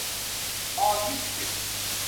ออทิสติก